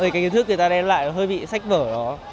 cái kiến thức người ta đem lại nó hơi bị sách vở đó